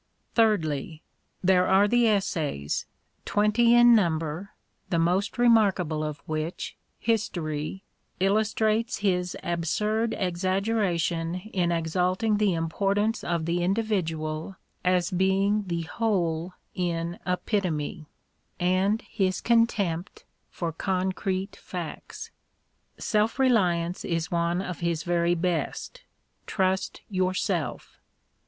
Thirdly, there are the Essays, twenty in number, the most remarkable of which, " History," illustrates his absurd exaggeration in exalting the importance of the individual as being the whole in epitome, and his contempt for concrete facts. " Self Reliance " is one of his very best —^" Trust yourself."